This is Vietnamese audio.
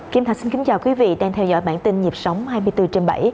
kim thạch xin kính chào quý vị đang theo dõi bản tin nhịp sống hai mươi bốn trên bảy